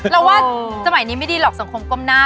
เราว่าสมัยนี้ไม่ดีหรอกสังคมก้มหน้า